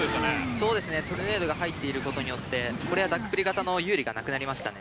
そうでトルネードが入っていることによってこれはダクプリがたの有利がなくなりましたね。